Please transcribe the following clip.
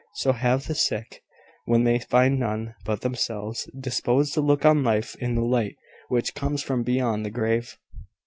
So have the sick, when they find none but themselves disposed to look on life in the light which comes from beyond the grave.